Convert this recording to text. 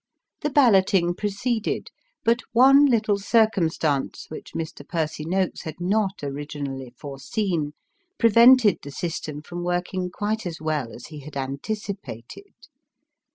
The balloting proceeded; but, one little circumstance which Mr. Percy Noakes had not originally foreseen, prevented the system from working quite as well as he had anticipated.